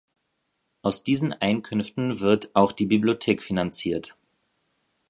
Aus diesen Einkünften wird auch die Bibliothek finanziert.